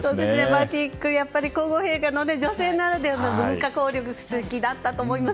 バティック、やっぱり皇后陛下の女性ならではの文化交流素敵だったと思います。